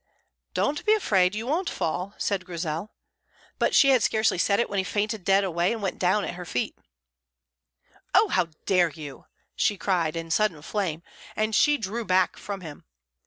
"Don't be afraid; you won't fall," said Grizel. But she had scarcely said it when he fainted dead away, and went down at her feet. "Oh, how dare you!" she cried in sudden flame, and she drew back from him.